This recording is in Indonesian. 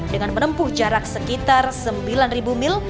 dengan menempuh jarak sekitar sembilan mil